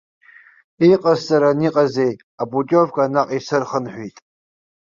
Иҟасҵаран иҟазеи, апутиовка наҟ исырхынҳәит.